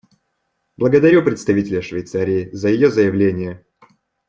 Благодарю представителя Швейцарии за ее заявление.